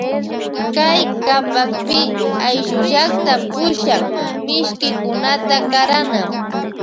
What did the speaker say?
Kay kapakpi ayllullakta pushak mishkikunata karana.